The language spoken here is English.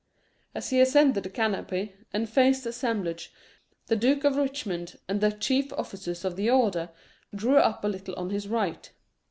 As he ascended the canopy, and faced the assemblage, the Duke of Richmond and the chief officers of the Order drew up a little on his right.